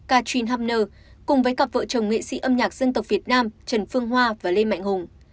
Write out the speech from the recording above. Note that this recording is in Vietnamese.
kachin hamner cùng với cặp vợ chồng nghệ sĩ âm nhạc dân tộc việt nam trần phương hoa và lê mạnh hùng